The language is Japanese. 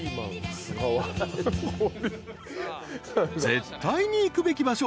［絶対に行くべき場所。